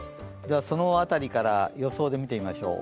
その辺りから予想で見てみましょう。